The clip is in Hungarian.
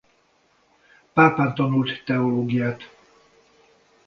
Pápán tanult teológiát.